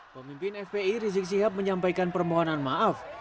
pemimpin fpi rizik sihab menyampaikan permohonan maaf